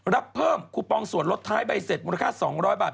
รับเพิ่มคูปองส่วนลดท้ายใบเสร็จมูลค่า๒๐๐บาท